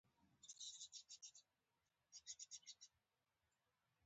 موږ ولې د نورو انسانانو پر زنځیر تړل شوي یو.